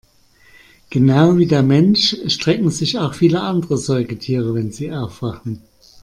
Genau wie der Mensch strecken sich auch viele andere Säugetiere, wenn sie aufwachen.